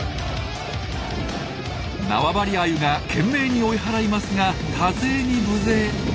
縄張りアユが懸命に追い払いますが多勢に無勢。